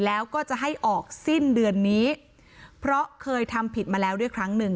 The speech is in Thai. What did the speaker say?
แล้วก็จะให้ออกสิ้นเดือนนี้เพราะเคยทำผิดมาแล้วด้วยครั้งหนึ่ง